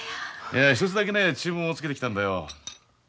いや一つだけね注文をつけてきたんだよ。